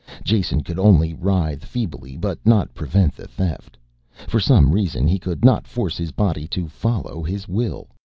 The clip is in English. Jason could only writhe feebly but not prevent the theft, for some reason he could not force his body to follow his will.